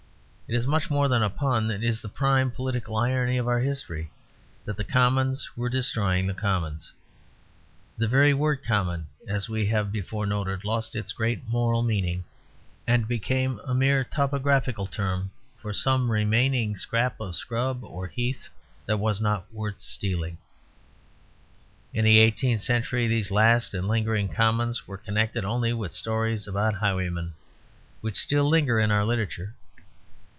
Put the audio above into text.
It is much more than a pun, it is the prime political irony of our history, that the Commons were destroying the commons. The very word "common," as we have before noted, lost its great moral meaning, and became a mere topographical term for some remaining scrap of scrub or heath that was not worth stealing. In the eighteenth century these last and lingering commons were connected only with stories about highwaymen, which still linger in our literature.